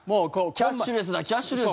キャッシュレスだキャッシュレス。